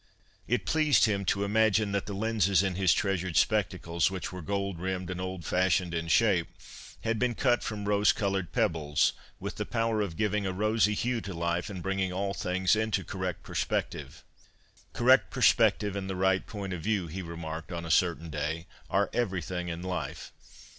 It pleased him to imagine that the lenses in his treasured spectacles, which were gold rimmed and old fashioned in shape, had been cut from rose coloured pebbles, with the power of giving a rosy hue to life, and bringing all things into correct perspective. ' Correct perspective and the right point of view/ he remarked on a certain day, ' are everything in life.